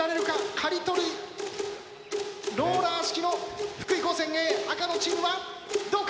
刈り取りローラー式の福井高専Ａ赤のチームはどうか？